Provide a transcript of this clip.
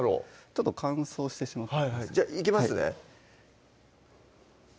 ちょっと乾燥してしまったじゃあいきますね